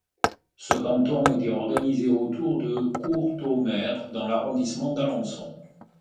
Ce canton était organisé autour de Courtomer dans l'arrondissement d'Alençon.